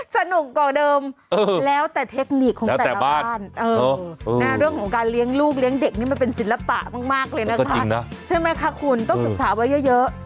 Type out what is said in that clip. สนุกกว่าเดิมแล้วแต่เทคนิคของแต่ละบ้านเรื่องของการเลี้ยงลูกเลี้ยงเด็กนี่มันเป็นศิลปะมากเลยนะคะใช่ไหมคะคุณต้องศึกษาไว้เยอะ